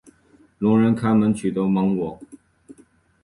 聋人开门取得芒果。